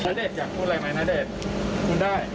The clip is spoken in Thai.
ณเดชน์อยากพูดอะไรไหมณเดชน์พูดได้